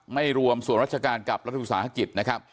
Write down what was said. ไม่รวมส่วนราชการกับรัฐวิสาหกิจนะครับ